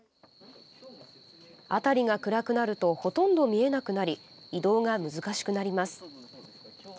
辺りが暗くなるとほとんど見えなくなり移動が難しくなります。